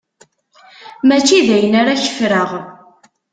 Mačči d ayen ara k-ffreɣ.